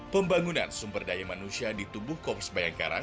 pembangunan sumber daya manusia di tubuh kops bayangkara